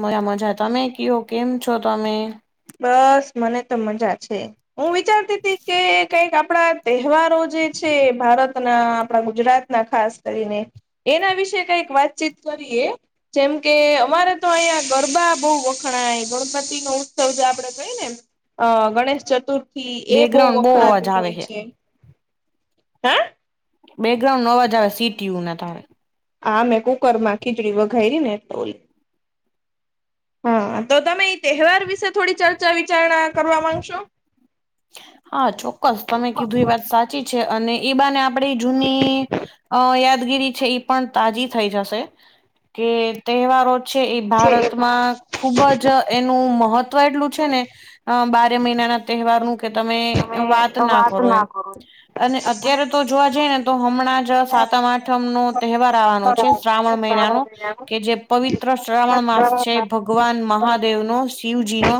મજા મજા તમે કયો કેમ છો તમે બસ મને તો મજા છે હું વિચારતી હતી કે કંઈક આપણા તહેવારો જે છે ભારતના આપણા ગુજરાતના ખાસ કરીને એના વિશેે કઈક વાતચીત કરીએ જેમ કે અમારે તો અહીયા ગરબા બહુ વખણાય ગણપતિ નું સમજો આપણે કઈ ને અ ગણેશ ચતુર્થી એ બહુ બેકગ્રાઉન્ડ અવાજ વખણાતું આવે હોય છે. હા બેકગ્રાઉન્ડનું અવાજ આવે સીટીયું ના તમે આ મેં કુકર માં ખીચડી વઘાઈરી ને તો ઈ [inaudible] હા તો તમે એઈ તહેવાર વિશે થોડી ચર્ચા વિચારણા કરવા માંગશો? હા ચોક્કસ તમે કીધું એ વાત સાચી છે અને એ બહાને આપ આપણી જૂની અ યાદગીરી છે એ પણ તાજી થઈ જશે કે તહેવારો છે એ ભારતમાં ખુબ જ એનું મહત્વ એટલું છે ને અ બારે મહિનાના તહેવારનું કે તમે વાત ના કરો હા એમ અને અત્યારે તો જોવા જઈ ને તો હમણાં જ સાતમ આઠમ નો તહેવાર આવવાનો છે શ્રાવણ મહિનાનો જે પવિત્ર શ્રાવણ માસ છે ભ ભગવાન મહાદેવ નો શિવજી નો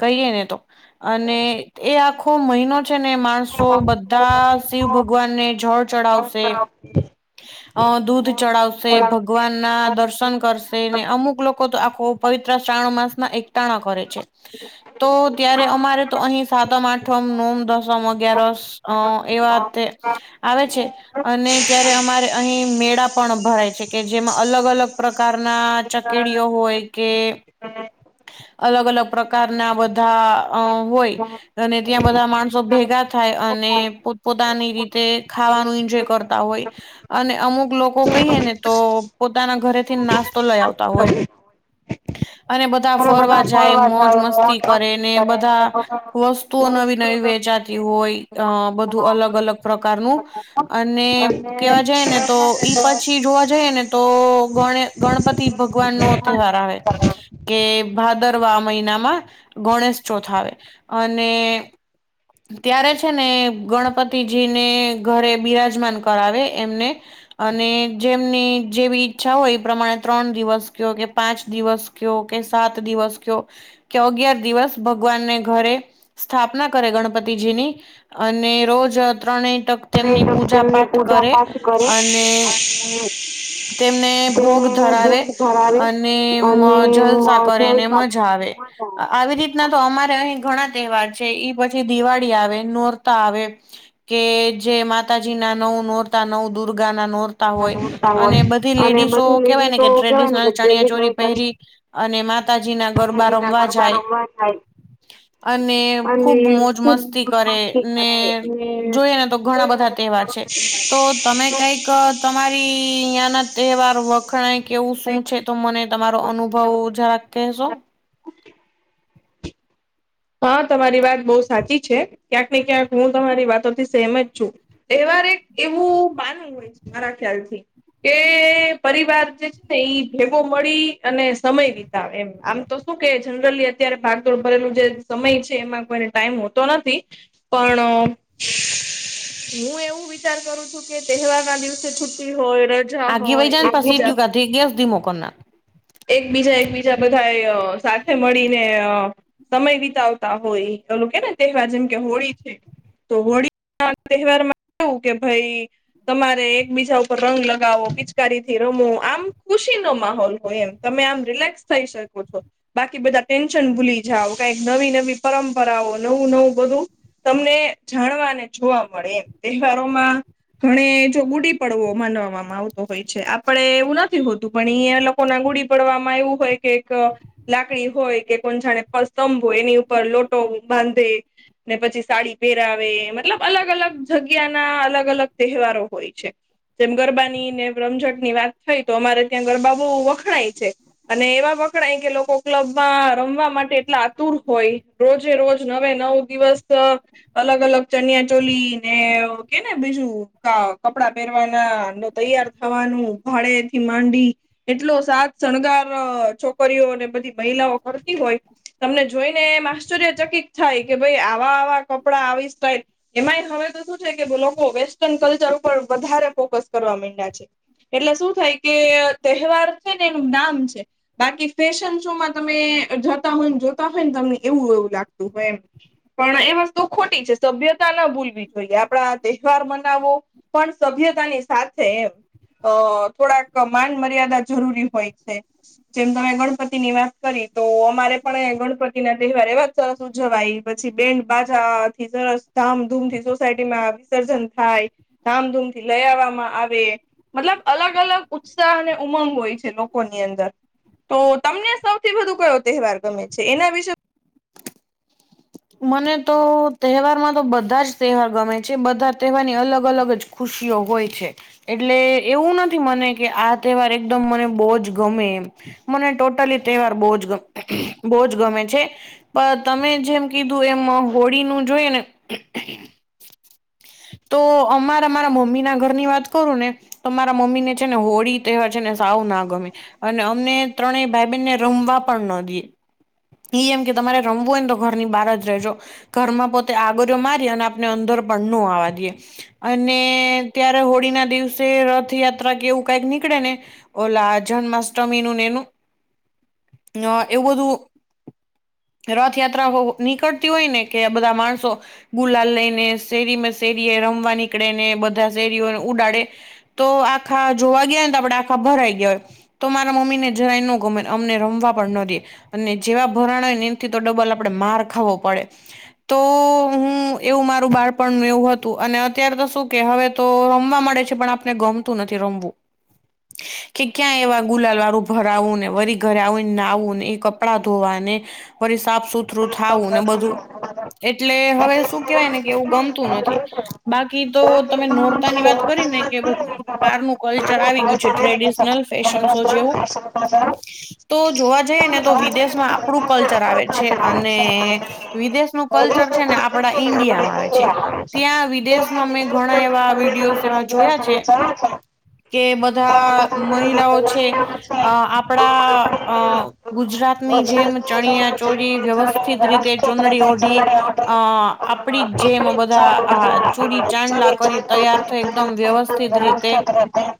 કહીએ ને તો અને એ આખો મહિનો છે ને માણસો બધા શિવ ભગવાન ને જળ ચડાવશે અ દૂધ ચઢાવશે ભ ભગવાન ના દર્શન કરશે ને અમુક લોકો તો આખો પવિત્ર શ્રાવણ માસના એક ટાણા કરે છે તો ત્યારે અમારે તો અહી સાતમ આઠમ નોમ દસમ અગિયારસ અ એ વાતે આવે છે અને ત્યારે અમારે અહી મેળા પણ ભરાય છે કે જેમાં અલગ અલગ પ્રકારના ચકેડીઓ હોય કે અલગ અલગ પ્રકારના બધા અ હોય અને ત્યાં બધા માણસો ભેગા થાય અને પોત પોતાની રીતે ખાવાનું એન્જોય કરતા હોય. અને અમુક લોકો કહીએ ને તો પોતાના ઘરેથી નાસ્તો લઈ આવતા હોય. અને બધા ફરવા જાય મોજ મસ્તી કરે ને બધા વસ્તુઓ નવી નવી વેચાતી હોય અ બધું અલગ અલગ પ્રકારનું અને કેવા જઈ ને તો ઈ પછી જોવા જઈએ ને તો ગ ગણપતિ ભગવાન નો તહેવાર આવે. [inaudible] કે ભાદરવા મહિનામાં ગણેશ ચોથ આવે અને ત્યારે છે ને ગણપતિજીને ઘરે બિરાજમાન કરાવે એમને અને જેમની જેવી ઈચ્છા હોય એ પ્રમાણે ત્રણ દિવસ કયો કે પાંચ દિવસ કયો કે સાત દિવસ કયો કે અગિયાર દિવસ ભગવાનને ઘરે સ્થાપના કરે ગણ પતિજીની અને રોજ ત્રણેય ટક તેમની પૂજા પાઠ કરે અને તેમને ભોગ ધરાવે અને જલસા કરેને મજા આવે આવી રીતના તો અમારે અહી ઘણા તહેવાર છે એ પછી દિવાળી આવે નોરતા આવે કે જે માતાજી ના નવ નોરતા નવ દુર્ગા ના નોર તા હોય અને બધી લેડીસો કેહેવાય ને કે ટ્રેડિશનલ ચણિયા ચોરી પેહેરી અને માતાજી ના ગરબા રમવા જાય અને ખુબ મોજ મસ્તી કરે ને જોઈ ને તો ઘણા બધા તહેવાર છે. તો તમે કઈક તમારી ત્યાં ના તહેવાર વખણાય કે એવું શું છે તો મને તમારો અનુભવ જરાક કેશો? હા તમારી વાત બો સાચી છે ક્યાંક ને ક્યાંક હું તમારી વાતોથી સહેમત છું. તહેવાર એક એવું માન હોય છે મારા ખ્યાલથી કે પરિવાર જે છે ને ઈ ભેગો મળી અને સમય [unintelligible] એમ આમ તો શું કે જનરલી અત્યારે ભાગદોડ ભરેલું જે સમય છે એમાં કોઈને ટાઈમ હોતો નથી પણ હું એવું વિચાર કરું છું કે તહેવાર ના દિવસે છુટ્ટી હોય રજા આઘી વય હોય જા ને પણ એકબીજા સિટીયુ [unintelligible] ગેસ ધીમું કર નાખ એકબીજા એકબીજા બધા સાથે મળીને સમય વિતાવતા હોય ઓલું કેને તહેવાર જેમ કે હોળી છે તો હોળીના તહેવારમાં કેવું કે ભાઈ તમારે એકબીજા ઉપર રંગ લગાવો પિચકારી થી રમો આમ ખુશી નો માહોલ હોય એમ તમે આમ રિલેક્સ થઈ શકો છો. બાકી બધા ટેન્શન ભૂલી જાઓ કઈક નવી નવી પરંપરાઓ નવું નવું બધું તમને જાણવા અને જોવા મળે એમ તહેવારોમાં ઘણે જો ગુડી પડવો માનવામાં આવતો હોય છે આપડે એવું નથી હોતું પણ એ લોકો ના ગુડી પડવામાં એવું હોય કઈક લાકડી હોય કે કોણ જાણે [unintelligible] હોય એની ઉપર લોટો બાંધે ને પછી સાડી પહેરાવે મતલબ અલગ અલગ જગ્યા ના અલગ અલગ તહેવારો હોય છે. જેમ ગરબાની ને રમઝટ ની વાત થઈ તો અમારે ત્યાં ગરબા બો વખણાય છે. અને એવા વખણાય કે લોકો ક્લબમાં રમવા માટે એટલા આતુર હોય રોજે રોજ નવે નવ દિવસ અલગ અલગ ચનિયા ચોલી ને કેને બીજું કપડા પહેરવાના તૈયાર થાવાનું ભાડેથી માંડી એટલો સાજ શણગાર છોકરીઓ અને બધી મહિલાઓ કરતી હોય તમને જોઈને એમ આશ્ચર્યચકિત થાય કે ભઈ આવાં આવાં આવાં કપડાં આવી સ્ટાઇલ એમાંય હવે તો શું છે કે લોકો વેસ્ટર્ન કલ્ચર ઉપર વધારે ફોકસ કરવા મંયડા છે. એટલે શું થાય કે તહેવાર છે ને એનું નામ છે. બાકી ફેશનશો માં તમે જતાં હોય ને જોતાં હોય ને તમને એવું એવું લાગતું હોય એમ પણ એ વસ્તુ ખોટી છે. સભ્યતા ન ભૂલવી જોઈએ આપડા તહેવાર મનાવો પણ સભ્યતાની સાથે એમ અ થોડાંક માન મર્યાદા જરૂરી હોય છે. જેમ તમે ગણપતિ ની વાત કરી તો અમારે પણ આયા ગણપતિ ના તહેવાર‌ એવા જ સરસ ઉજવાય પછી બેન્ડ બાજાથી સરસ ધામધૂમ થી સોસાયટી માં વિસર્જન થાય. ધામધૂમથી લઈ આવા માં આવે મતલબ અલગ અલગ ઉત્સાહ અને ઉમંગ હોય છે લોકોની અંદર તો તમને સૌથી વધુ કયો તહેવાર ગમે છે એના વિશે મને તો તહેવારમાં તો બધા જ તહેવાર ગમે છે. બધા તહેવારની અલગ અલગ જ ખુશીઓ હોય છે. એટલે એવું નથી મને કે આ તહેવાર એકદમ મને બહુ જ ગમે એમ. મને ટોટલી તહેવાર બહુજ ગમે બહુજ ગમે છે પણ તમે જેમ કીધું એમ હોળી નું જોઈ ને તો અમારા અમારા મમ્મી ના ઘરની વાત કરું ને તો મારાં મમ્મી ને છે ને હોળી તહેવાર છે ને સાવ ના ગમે અને અમને ત્રણેય ભાઈબહેનને રમવા પણ ન દયે ઈ એમ કે તમારે રમવુ હોયને તો ઘર ની બહાર જ રહેજો ઘરમાં પોતે આગરીયો મારી અને આપને અંદર પણ નો આવવા દયે અને ત્યારે હોળી ના દિવસે રથયાત્રા કે એવું કાંઈક નીકળે ને ઓલા જન્માષ્ટમીની નું એનું ન એવું બધું રથયાત્ર યાત્રા [unintelligible] નીકળતી હોય ને કે બધાં માણસો ગુલાલ લઈ ને શેરીમાં શેરી એ રમવા નીકળે ને બધાં શેરીઓને ઉડાડે તો આખાં જોવા ગયા ને તો આપડે આખાં ભરાઈ ગયા હોય. તો મારા મમ્મીને જરાય નો ગમે અમને રમવા પણ ન દયે અને જેવાં ભરાણા હોય ને એનથી તો ડબલ અમ આપણે માર ખાવો પડે. તો હું એવું મારું બાળપણનું એવું હતું અને અત્યારે તો શું કે હવે તો રમવા મળે છે પણ આપને ગમતું નથી રમવું કે ક્યાં એવાં ગુલાલ વાળું ભરાવું ને વરી ઘરે આવીને નાહવું ને એ કપડાં ધોવાને પર એ સાફસુફ થરુ થાવું ને બધું એટલે હવે શું કેવાય ને કે એવું ગમતું નથી બાકી તો તમે નોરતાંની વાત કરી ને કે બધું બહાર નું કલ્ચર આવી ગયું છે ટ્રેડિશનલ ફેશન શો જેવું. તો જોવાં જઈએ ને તો જોવા જઈએ ને વિદેશમાં તો આપણું વિદેશમાં કલ્ચર આવે આપણું છે કલ્ચર આવે અને છે અને વિદેશનું કલ્ચર છે ને વિદેશનું કલ્ચર આપણાં છે ને આપણે ઈન્ડિયામાં આવે છે. ઇન્ડિયા છે ત્યાં ત્યાં વિદેશમાં મેં ઘણાં વિદેશમાં પણ એવાં ઘણા વિડીયોસ એવા જોયાં છે વ્યવસાયો જોયા કે જે બધાં બધા મહિલાઓ છે દિવાળી રમે છે અ, આપણાં આપણે અ ગુજરાત ની જેમ ગુજરાતની જેમ ચણિયાચોરી ચણીયા ચોળી વ્યવસ્થિત રીતે વ્યવસ્થિત ચૂંદડી રીતે ઓઢી જમણી ઓઢી અ આપડી જેમ આપણી જેમ બધાં આ બધા ચૂડી અ, ચાંદલા ચણી કરી ચાંદના તૈયાર કોઈ થઈ કલા એકદમ છે એકદમ વ્યવસ્થિત રીતે વ્યવસ્થિત રીતે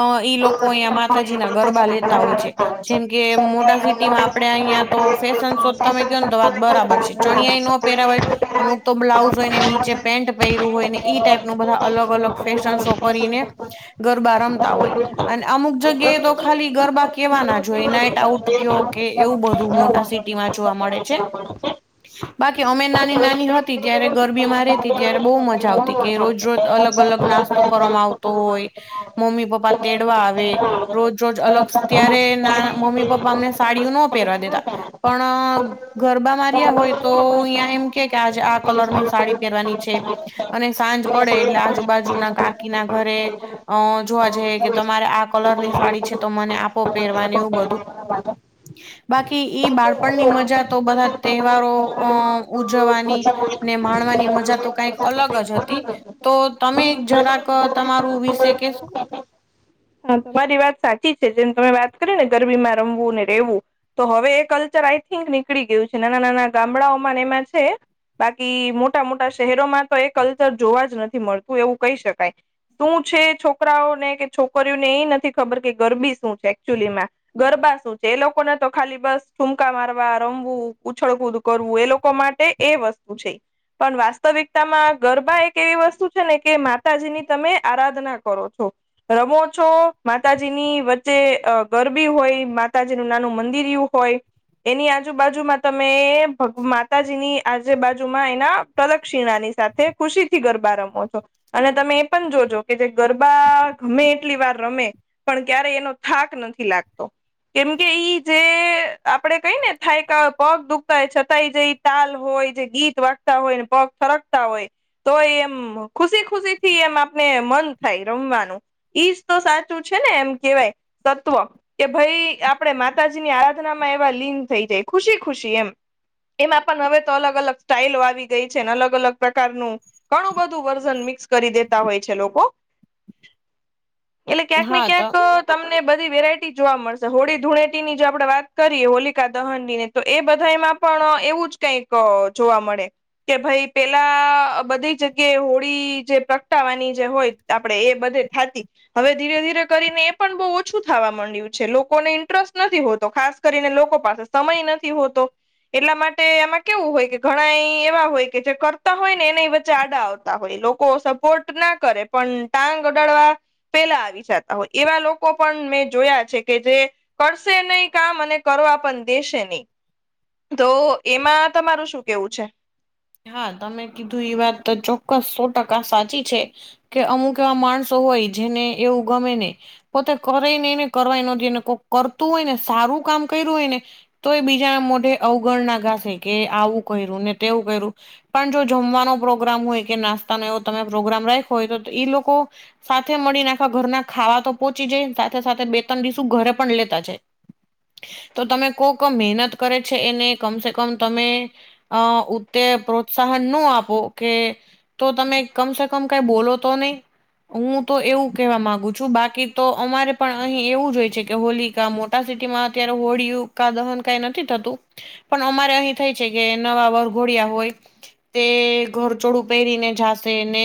અ ઈ લોકો અહીંયા માતાજીના ગરબા લેતા હોય છે જેમ કે કે મોટા સિટી માં આપડે અહિયાં તો ફેશન શો તમે કયોને વાત બરાબર છે ચણિયાઈ નો પેરાવાય અમુક તો બ્લાઉઝ હોય ને નીચે પેન્ટ પહેર્યું હોય ને ઈ ટાઈપનું બધા અલગ અલગ ફેશન શો કરીને ગરબા રમતા હોય અને અમુક જગ્યાએ તો ખાલી ગરબા કેવા ના જોઈ નાઈટ આઉટ કયો કે એવું બધું મોટા સિટી ટીમાં જોવા મળે છે. બાકી અમે નાની નાની હતી ત્યારે ગરબીમાં રેતી ત્યારે બહુ મજા આવતી કે રોજ રોજ અલગ અલગ નાસ્તો કરવામાં આવતો હોય મમી પપ્પા તેડવાં આવે રોજ રોજ અલગ ત્યારે ના મમી પપ્પા સાડયું નો પહેરવા દેતા પણ ગરબા મા રર્યા હોય તો યા એમ કે કે આજે આ કલરની સાડી પહેરવાની છે. અને સાંજ પડે એટલે આજુબાજુના કાકી ના ઘરે અ જોવા જઈએ કે તમારે આ કલરની સાડી છે તો મને આપો પહેરવાને એવું બધું બાકી ઈ બાળપણની મજા તો બધા તહેવારો અ ઉજવવાની ને માણવાની મજા તો કઈક અલગ જ હતી. તો તમે એક જરાક તમારું વિશે કેશો હા તમારી વાત સાચી જેમ તમે વાત કરી ગરમીમાં રમવું ને રહેવું તો હવે એ કલ્ચર આઈ થિંક નીકળી ગયું છે નાના નાના ગામડા ઓમાંને એમાં છે બાકી મોટા મોટા શહેરો મા તો એ કલ્ચર જોવા જ નથી મળતું એવું કહી શકાય. શું છે છોકરાઓને કે છોકરીઓને એ નથી ખબર કે ગરબી શું છે એકચુલી માં ગરબા શું છે એ લોકોને તો ખાલી બસ ઠુમકા મારવા રમવું ઉછળકૂદ કરવું એ લોકો માટે એ વસ્તુ છે. પણ વાસ્તવિકતામાં ગરબા એક એવી વસ્તુ છે ને કે માતાજીની તમે આરાધના કરો છો રમો છો માતાજીની વચ્ચે ગરબી હોય માતાજીનું નાનું મંદિરયું હોય એની આજુબાજુમાં તમે માતાજીની આજુબાજુમાં એના પ્રદક્ષિણા ની સાથે ખુશી થી ગરબા રમો છો. અને તમે એ પણ જોજો કે જે ગરબા ગમે એટલી વાર રમે પણ ક્યારેય એનો થાક નથી લાગતો કેમકે ઈ જે આપડે કઈ ને થાય કે પગ દુખતા છતાં એ જે તાલ હોય જે ગીત વાગતા હોય ને પગ થરકતા હોય તો એમ ખુશી ખુશી થી એમ આપને મન થાય રમવાનું. ઈજ તો સાચું છે ને એમ કેવાય તત્વ કે ભાઈ આપણેે માતાજીની આરાધનામાં એવા લીન થઈ જાય ખુશી ખુશી એમ એમાં પણ હવે તો અલગ અલગ સ્ટાઈલો આવી ગઈ છે ને અલગ અલગ પ્રકારનું ઘણું બધું વર્ઝન મિક્સ કરી દેતા હોય છે લોકો એટલે ક્યાંક ને હા તો ક્યાંક અ તમને બધી વેરાયટી જોવા મળશે હોળી ધૂળેટી ની જો આપણે વાત કરીએ હોલિકા દહનની ને તો એ બધામાં પણ એવું જ કઈક જોવા મળે. કે ભાઈ પેલા બધી જગ્યાએ હોળી જે પ્રગટાવાની જે હોય આપડે એ બધે થાતી હવે ધીરે ધીરે કરીને એ પણ બહુ ઓછું થવા માંડ્યું છે લોકોને ઇન્ટરેસ્ટ નથી હોતો ખાસ કરીને લોકો પાસે સમય નથી હોતો. એટલા માટે એમાં કેવું હોય કે ઘણા એ એવા હોય કે જે કરતા હોય ને એના વચ્ચે આડા આવે આપણા લોકો સપોર્ટ, ના કરે પણ ટાંગ [unintelligible] પેલા આવી જતા હોય, એવા લોકો પણ મેં જોયા છે. કે જે, કરશે નહી કામ, અને કરવા પણ દેશે નહી. તો એમાં તમારું, શું કેવું છે. હા તમે કીધું એ વાત તો ચોક્કસ, સો ટકા સાચી છે. કે અમુક એવા, માણસો હોય જેને ગમેનહી. પોતે કરે નહી, ને કરવાય નો દે, કોક કરતું હોય ને સારું કામ કર્યું હોય ને તો એ બીજાના મોઢે અવગણના ગાસે, કે આવું કર્યું ને તેવું કર્યું. પણ જો જમવાનો પ્રોગ્રામ હોય, કે નાસ્તાનો એવો તમે પ્રોગ્રામ રાખોયો, હોય તો એ લોકો સાથે મળીને આખા ઘરના ખાવા તો પોહોચી જાય, સાથે સાથે બે ત્રણ દિવસનું ઘરે લેતા જાય. [inaudible] [unintelligible] તો તમે કોક મહેનત કરે છે. એને કમસે તમે અ તે પ્રોત્સાહન ન આપો કે, તો તમે કમસે કમ કઈ બોલો તો નઈ. હું તો એવું કેવા માંગુ છું. બાકી તો અમારે પણ અહી એવું જ હોય છે. કે હોલી મોટા સિટીમાં અત્યારે હોળિયું, કા દહન કઈ નથી થતું. પણ અમારે અહીં થાય છે. કે નવા વહુ. વર ઘોડિયા હોય તે, ઘરચોડું પહેરીને જાશે ને.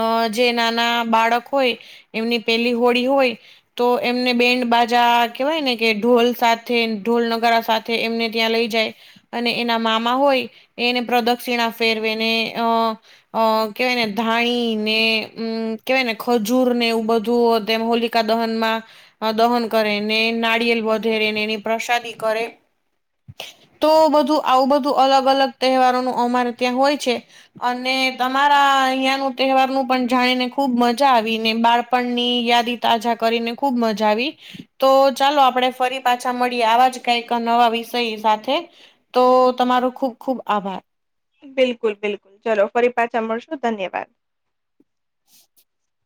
અ જે નાના બાળક હોય, એમની પેહલી હોળી હોય. તો એમને બેન્ડ બાજા કેવાયને કે, ઢોલ સાથે ઢોલ નગારા સાથે તે એમને ત્યા લઈ જાય, અને એના મામા મામા હોય એને પ્રદક્ષિણા ફેરવે ને અ, અ કેવાય ને ધાણી નેમ અમ કેવાય ને, ખજૂર ને એવું બધું અ તેમ હોલી હોળી કા દહનમાં અ દહન કરે ને, નારિયેલ વધેરે ને એની પ્રસાદી કરે. [unintelligible] તો બધું આવું બધું અલગ અલગ તહેવારોનું, અમારે ત્યાં હોય છે. અને તમારા અહિયાંયા નુ તહેવારનું પણ જાણી ને ખુબ મજા આવી ને, બાળપણની યાદી તાઝા કરીને ખૂબ મજા આવી તો ચાલો આપણેે ફરી પાછા મળીએ, આવા જ કઈક નવા વિષય સાથે. તો તમારૉ ખુબ ખુબ આભાર. બિલકુલ બિલકુલ ચલો, ફરી પાછા મળશું, ધન્યવાદ. [inaudible] [unintelligible]